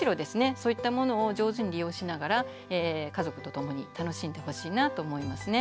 そういったものを上手に利用しながら家族と共に楽しんでほしいなと思いますね。